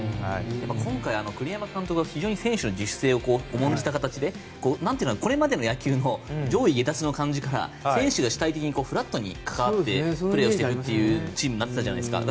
今回、栗山監督は非常に選手の自主性を重んじた形でこれまでの野球の感じから選手が主体的にフラットに関わってプレーしているというチームになっていたじゃないですか。